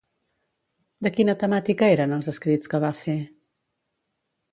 De quina temàtica eren els escrits que va fer?